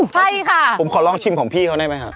ใช่ค่ะผมขอลองชิมของพี่เขาได้ไหมครับ